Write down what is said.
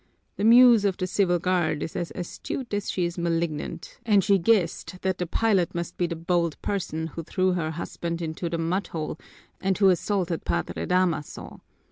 The Muse of the Civil Guard is as astute as she is malignant and she guessed that the pilot must be the bold person who threw her husband into the mudhole and who assaulted Padre Damaso.